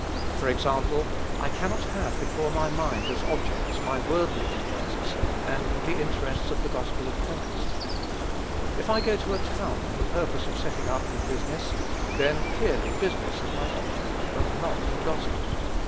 For example, I cannot have before my mind as objects my worldly interests and the interests of the gospel of Christ. If I go to a town for the purpose of setting up in business, then, clearly, business is my object, and not the gospel.